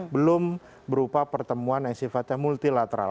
belum berupa pertemuan yang sifatnya multilateral